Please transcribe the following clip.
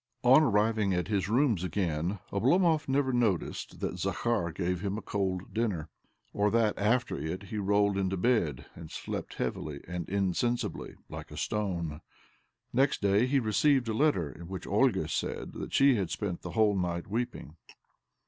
Ill On arriving at his rooms again, Oblomov never noticed that Zakhar gave him a cold dinner, or that, after it, he rolled into bed and slept heavily and insensibly, like a stone. Next day he received a letter in which Olga said that she had spent the whole night weeping